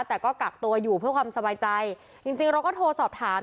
แต่ก็กักตัวอยู่เพื่อความสบายใจจริงจริงเราก็โทรสอบถาม